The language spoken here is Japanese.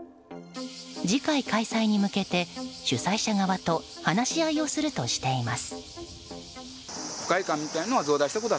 次回開催に向けて、主催者側と話し合いをするとしています。